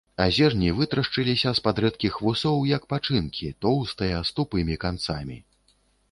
А зерні вытрашчыліся з-пад рэдкіх вусоў, як пачынкі, тоўстыя, з тупымі канцамі.